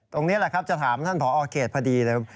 ตรงนี้แหละครับจะถามท่านผอเขตพอดีเลย